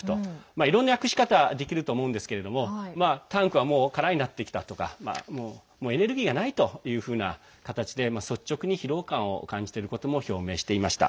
いろんな訳し方できると思うんですけれどもタンクはもう空になってきたとかもうエネルギーがないというふうな形で率直に疲労感を感じていることも表明していました。